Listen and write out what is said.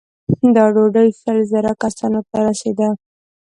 دا ډوډۍ شل زره کسانو ته رسېده.